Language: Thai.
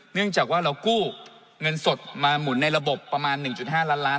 เนื่องจากว่าเรากู้เงินสดมาหมุนในระบบประมาณ๑๕ล้านล้าน